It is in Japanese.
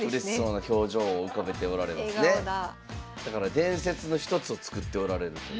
だから伝説の一つを作っておられると。